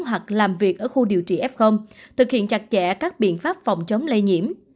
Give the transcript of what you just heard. hoặc làm việc ở khu điều trị f thực hiện chặt chẽ các biện pháp phòng chống lây nhiễm